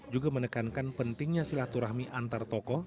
juga menekankan pentingnya silaturahmi antartoko